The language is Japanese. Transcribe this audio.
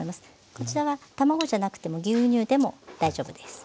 こちらは卵じゃなくても牛乳でも大丈夫です。